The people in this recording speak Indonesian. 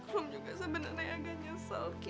rum juga sebenernya agak nyesel ki